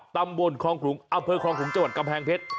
ตำวนอำเภอคล้องกรุงจ้ะหวันกำแพงเพชร